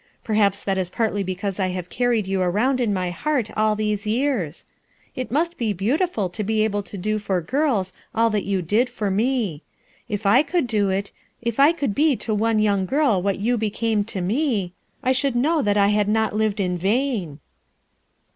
Perhaps that is partly because I have carried you around in my heart all these years. It must be beau tiful to be able to do for girls all that you did for me. If I could do it, if I could be to one young girl what you became to me, I should know that I had not lived in vain.'